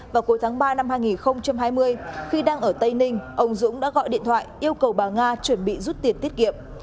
vào cuối tháng ba năm hai nghìn hai mươi khi đang ở tây ninh ông dũng đã gọi điện thoại yêu cầu bà nga chuẩn bị rút tiền tiết kiệm